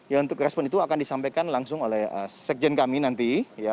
ya untuk respon itu akan disampaikan langsung oleh sekjen kami nanti